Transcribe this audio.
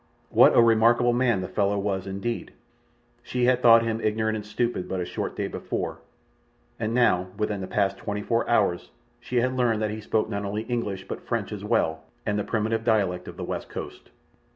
What a remarkable man the fellow was, indeed! She had thought him ignorant and stupid but a short day before, and now, within the past twenty four hours, she had learned that he spoke not only English but French as well, and the primitive dialect of the West Coast.